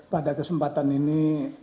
pada kesempatan ini